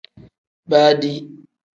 Baadi.